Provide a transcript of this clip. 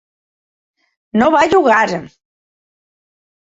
No va jugar.